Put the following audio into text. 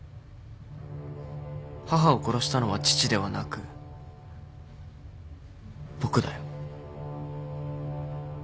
母を殺したのは父ではなく僕だよ。